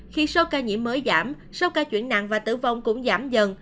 khi số ca nhiễm mới giảm số ca chuyển nặng và tử vong cũng giảm dần